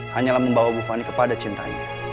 hanyalah membawa ibu fani kepada cintanya